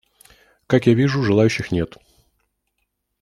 Как я вижу, желающих нет.